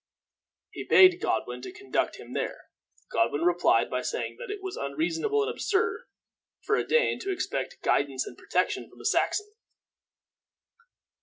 He begged Godwin to conduct him there. Godwin replied by saying that it was unreasonable and absurd for a Dane to expect guidance and protection from a Saxon.